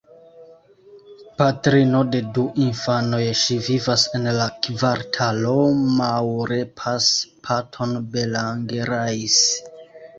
Patrino de du infanoj, ŝi vivas en la kvartalo Maurepas-Patton-Bellangerais.